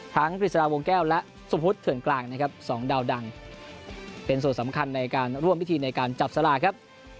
กฤษฎาวงแก้วและสุพุทธเถื่อนกลางนะครับสองดาวดังเป็นส่วนสำคัญในการร่วมพิธีในการจับสลากครับ